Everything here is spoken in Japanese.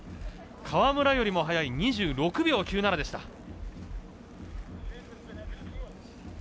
川村よりも速い２６秒９７でした。